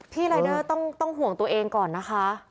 รายเดอร์ต้องห่วงตัวเองก่อนนะคะ